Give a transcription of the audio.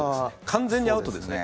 完全にアウトですね